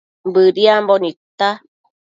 Bëdiambo nidta